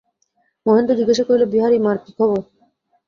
মহেন্দ্র জিজ্ঞাসা করিল, বিহারী, মার কী খবর।